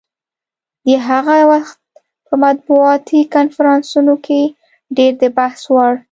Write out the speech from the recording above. د هغه وخت په مطبوعاتي کنفرانسونو کې ډېر د بحث وړ.